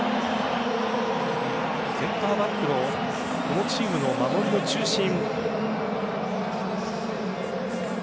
センターバックのこのチームの守りの中心。